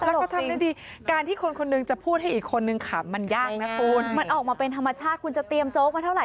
ให้คนหัวรอให้คนขำเขาก็ต้องแต่งตัวอะไรแบบนี้แหละ